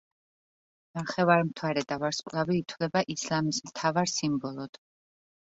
ნახევარმთვარე და ვარსკვლავი ითვლება ისლამის მთავარ სიმბოლოდ.